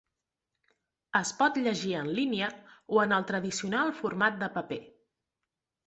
Es pot llegir en línia o en el tradicional format de paper.